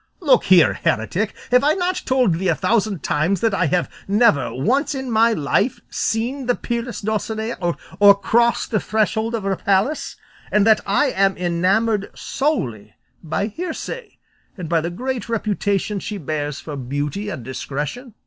"Look here, heretic, have I not told thee a thousand times that I have never once in my life seen the peerless Dulcinea or crossed the threshold of her palace, and that I am enamoured solely by hearsay and by the great reputation she bears for beauty and discretion?"